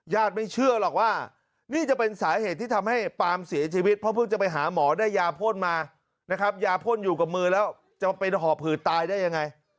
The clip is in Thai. ไม่เชื่อหรอกว่านี่จะเป็นสาเหตุที่ทำให้ปาล์มเสียชีวิตเพราะเพิ่งจะไปหาหมอได้ยาพ่นมานะครับยาพ่นอยู่กับมือแล้วจะเป็นหอบหืดตายได้ยังไง